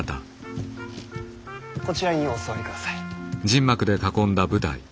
こちらにお座りください。